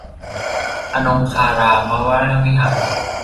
อนงคารามวรวิหาร